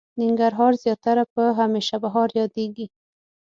ننګرهار زياتره په هميشه بهار ياديږي.